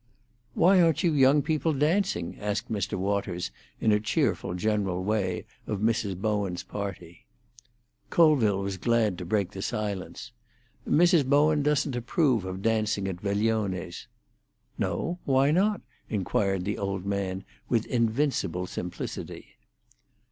"Why aren't you young people dancing?" asked Mr. Waters, in a cheerful general way, of Mrs. Bowen's party. Colville was glad to break the silence. "Mrs. Bowen doesn't approve of dancing at vegliones." "No?—why not?" inquired the old man, with invincible simplicity.